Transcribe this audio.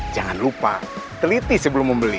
jangan lupa teliti sebelum membeli